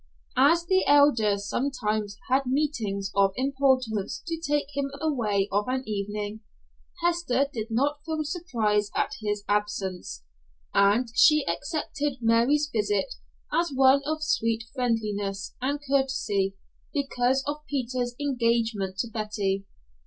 As the Elder sometimes had meetings of importance to take him away of an evening, Hester did not feel surprise at his absence, and she accepted Mary's visit as one of sweet friendliness and courtesy because of Peter's engagement to Betty.